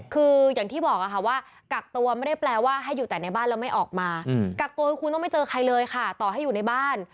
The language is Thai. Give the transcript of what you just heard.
คืออย่างที่บอกค่ะว่ากักตัวไม่ได้แปลว่าให้อยู่แต่ในบ้านแล้วไม่ออกมากักตัวคือคุณต้องไม่เจอใครเลยค่ะต่อให้อยู่ในบ้าน